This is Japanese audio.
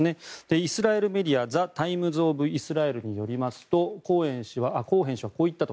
イスラエルメディアのザ・タイムズ・オブ・イスラエルによりますとコーヘン氏はこう言ったと。